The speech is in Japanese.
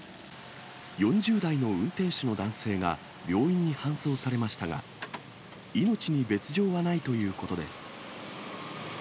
４０代の運転手の男性が病院に搬送されましたが、命に別状はないということです。